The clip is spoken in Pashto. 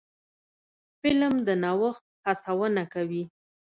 فلم د نوښت هڅونه کوي